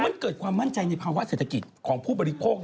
มันเกิดความมั่นใจในภาวะเศรษฐกิจของผู้บริโภค